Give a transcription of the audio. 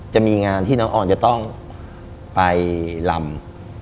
จะมีงานที่น้องออนจะต้องไปลำ